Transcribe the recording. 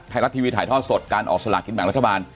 ไทยรัฐทีวีถ่ายทอดสดการออกสลากินแบ่งรัฐบาล